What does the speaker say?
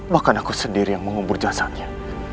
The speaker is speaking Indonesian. bahkan aku sendiri yang mengubur jasadnya